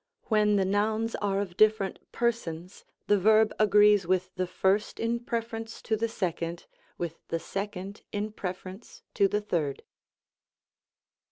When the nouns are of different persons, the verb agrees with the first in preference to the second, with the second in preference to the third.